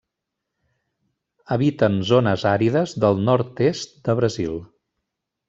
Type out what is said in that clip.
Habiten zones àrides del nord-est de Brasil.